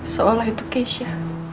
seolah itu keisha